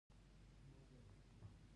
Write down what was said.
د باینسزا جګړه پایته رسېدلې وه.